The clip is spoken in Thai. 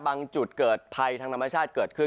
บางจุดเกิดไพท์ทางน้ำมันชาติเกิดขึ้น